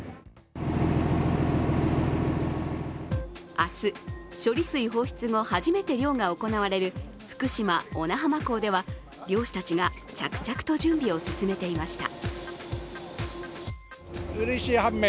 明日、処理水放出後、始めて漁が行われる福島・小名浜港では漁師たちが着々と準備を進めていました。